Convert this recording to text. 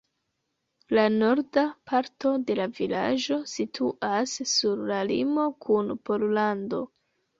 La norda parto de la vilaĝo situas sur la limo kun Pollando.